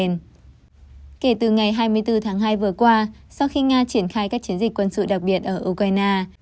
kể từ ngày hai mươi bốn tháng hai vừa qua sau khi nga triển khai các chiến dịch quân sự đặc biệt ở ukraine